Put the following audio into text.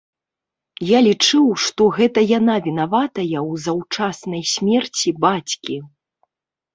Я лічыў, што гэта яна вінаватая ў заўчаснай смерці бацькі.